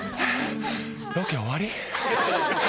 ロケ終わり？